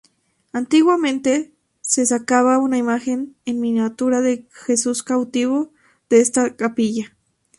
Antiguamente, se sacaba una imagen en miniatura de Jesús Cautivo de esta Capilla.